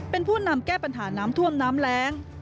เป็นผู้นำแก้ปัญหาน้ำท่วมน้ำแรง